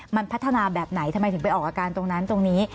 มันพัฒนาแบบไหนทำไมถึงไปออกอาการตรงนั้นตรงนี้